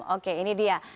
oke ini dia